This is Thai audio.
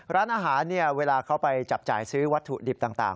ร้านอาหารเวลาเขาไปจับจ่ายซื้อวัตถุดิบต่าง